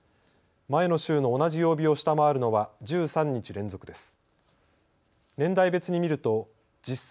前の週の同じ曜日を下回るのは１３日連続です。